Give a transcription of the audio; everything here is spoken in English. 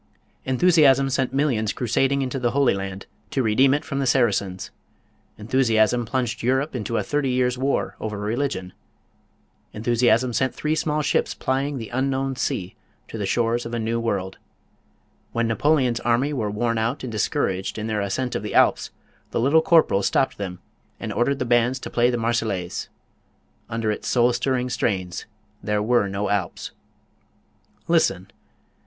Enthusiasm sent millions crusading into the Holy Land to redeem it from the Saracens. Enthusiasm plunged Europe into a thirty years' war over religion. Enthusiasm sent three small ships plying the unknown sea to the shores of a new world. When Napoleon's army were worn out and discouraged in their ascent of the Alps, the Little Corporal stopped them and ordered the bands to play the Marseillaise. Under its soul stirring strains there were no Alps. Listen!